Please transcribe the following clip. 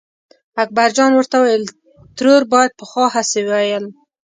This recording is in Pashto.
اکبرجان ورته وویل ترور بیا پخوا هسې ویل.